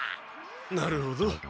なるほど。